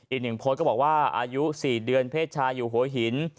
อีกหนึ่งโพสต์ก็บอกว่าอายุ๔เดือนเพศชายอยู่หัวหิน